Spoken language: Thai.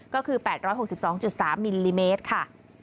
ก็คือ๘๖๒๓มิลลิเมตรค่ะ